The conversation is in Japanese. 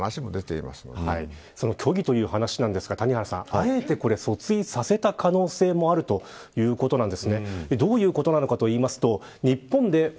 その虚偽という話なんですが谷原さんあえて訴追させた可能性もあるということなんです。